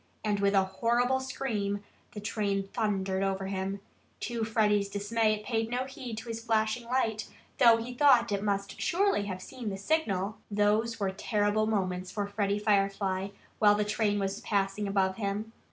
And with a horrible scream the train thundered over him. To Freddie's dismay it paid no heed to his flashing light, though he thought it must surely have seen that signal. Those were terrible moments for Freddie Firefly, while the train was passing above him.